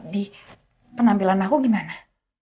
di penampilan aku gimana